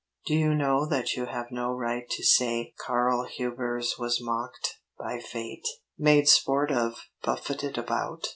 Do you know that you have no right to say Karl Hubers was mocked by fate, made sport of, buffetted about?